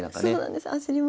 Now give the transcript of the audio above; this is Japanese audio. そうなんです